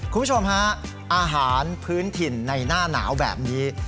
คุณผู้ชมฮะอาหารพื้นถิ่นในหน้าหนาวแบบนี้